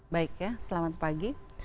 baik ya selamat pagi